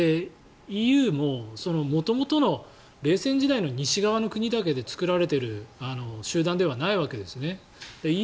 ＥＵも元々の冷戦時代の西側の国だけで作られている集団ではないわけですね。